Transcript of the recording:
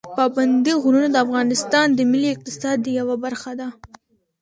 پابندي غرونه د افغانستان د ملي اقتصاد یوه برخه ده.